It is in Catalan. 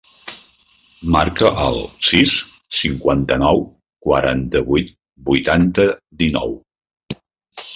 Marca el sis, cinquanta-nou, quaranta-vuit, vuitanta, dinou.